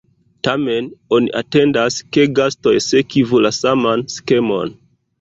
Tamen, oni atendas, ke gastoj sekvu la saman skemon.